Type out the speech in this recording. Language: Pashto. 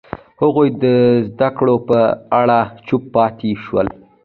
هغوی د زده کړو په اړه چوپ پاتې شول.